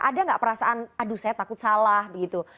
ada nggak perasaan aduh saya takut salah begitu